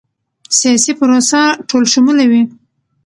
سیاسي پروسه ټولشموله وي